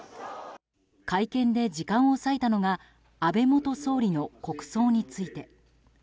会見で時間を割いたのは安倍元総理の国葬について。